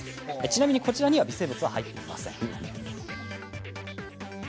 ちなみに、こちらには微生物は入っていません。